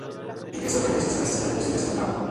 En tres órdenes las alas están reducidas a un par.